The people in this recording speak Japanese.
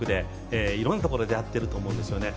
いろんなところでやってると思うんですね。